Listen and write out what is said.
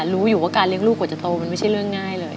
รู้อยู่ว่าการเลี้ยงลูกกว่าจะโตมันไม่ใช่เรื่องง่ายเลย